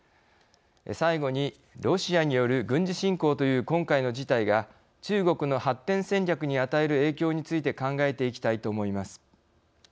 最後に、ロシアによる軍事侵攻という今回の事態が中国の発展戦略に与える影響について考えていきたいと思います。